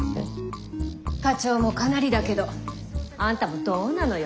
課長もかなりだけどあんたもどうなのよ。